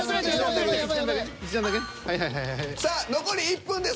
さあ残り１分です。